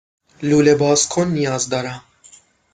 لوله بازکن نیاز دارم.